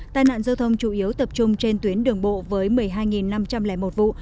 tai nạn giao thông chủ yếu tập trung trên tuyến đường bộ với một mươi hai năm trăm linh một vụ